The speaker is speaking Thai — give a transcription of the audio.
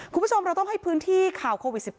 คุณผู้ชมเราต้องให้พื้นที่ข่าวโควิด๑๙